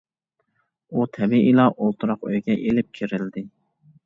ئۇ تەبىئىيلا ئولتۇراق ئۆيگە ئېلىپ كىرىلدى.